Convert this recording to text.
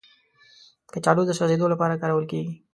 کچالو د سوځیدو لپاره کارول کېږي